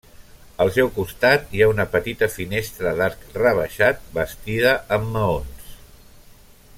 Al seu costat hi ha una petita finestra d'arc rebaixat, bastida amb maons.